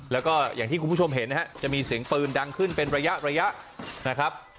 แล้วก็อย่างที่คุณผู้ชมเห็นนะฮะจะมีเสียงปืนดังขึ้นเป็นระยะระยะนะครับ